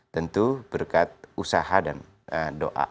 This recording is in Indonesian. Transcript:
tentu berkat usaha dan doa